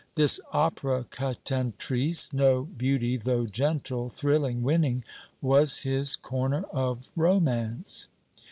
This Opera cantatrice, no beauty, though gentle, thrilling, winning, was his corner of romance.